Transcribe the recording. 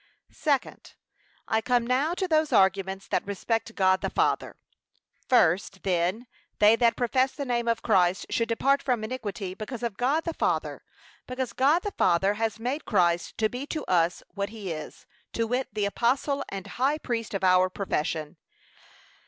SECOND, I come now to those arguments that respect GOD THE FATHER. First, Then, they that profess the name of Christ should depart from iniquity; because of God the Father, because God the Father has made Christ to be to us what he is; to wit, the Apostle and high priest of our profession.